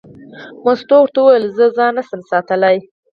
مستو ورته وویل: زه ځان نه شم ساتلی.